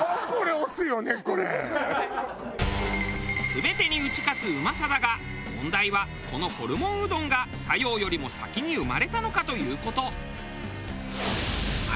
全てに打ち勝つうまさだが問題はこのホルモンうどんが佐用よりも先に生まれたのかという事。